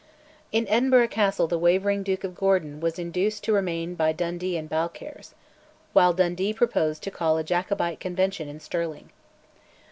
In Edinburgh Castle the wavering Duke of Gordon was induced to remain by Dundee and Balcarres; while Dundee proposed to call a Jacobite convention in Stirling.